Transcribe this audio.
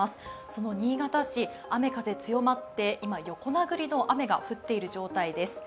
その新潟市、雨風強まって、今、横殴りの雨が降っている状態です。